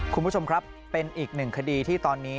คุณผู้ชมครับเป็นอีกหนึ่งคดีที่ตอนนี้